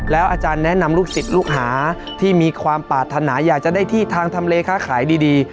อาจารย์แนะนำลูกศิษย์ลูกหาที่มีความปรารถนาอยากจะได้ที่ทางทำเลค้าขายดี